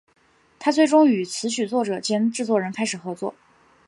她最终与词曲作者兼制作人展开合作。